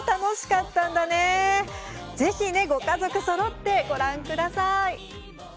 ぜひ、ご家族そろってご覧ください。